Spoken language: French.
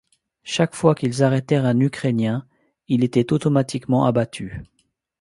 Chaque fois qu'ils arrêtèrent un ukrainien, il était automatiquement abattu.